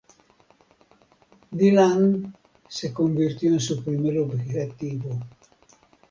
Dylan se convirtió en su primer objetivo.